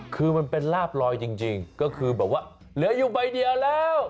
คือมันเป็นลาบลอยจริงก็คือแบบว่าเหลืออยู่ใบเดียวแล้ว